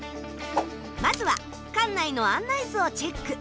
まずは館内の案内図をチェック。